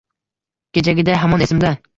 Kechagiday hamon esimda